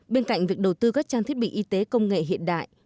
bên cạnh việc đầu tư các trang thiết bị y tế công nghệ hiện đại